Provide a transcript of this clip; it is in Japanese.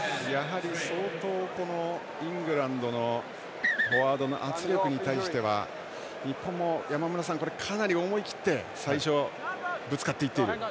相当、イングランドのフォワードの圧力に対しては日本も、山村さんかなり思い切って最初、ぶつかっていっている。